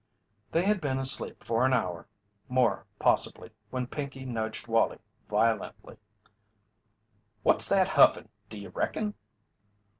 They had been asleep for an hour, more possibly, when Pinkey nudged Wallie violently. "What's that huffin', do you reckon?"